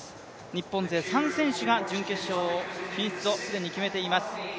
日本勢、３選手が準決勝進出を既に決めています。